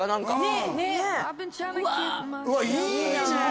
うわいいね